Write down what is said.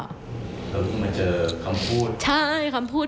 แล้วมันเจอคำพูด